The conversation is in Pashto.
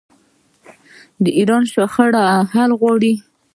ایران د شخړو حل غواړي.